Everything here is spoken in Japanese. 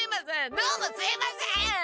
どうもすいません！